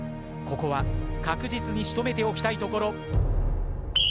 ここは確実に仕留めておきたいところ。